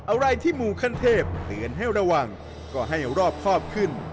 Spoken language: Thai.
อะไรที่หมู่ขั้นเทพเตือนให้ระวังก็ให้รอบครอบขึ้น